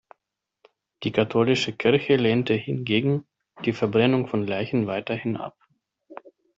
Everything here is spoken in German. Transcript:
Die katholische Kirche lehnte hingegen die Verbrennung von Leichen weiterhin ab.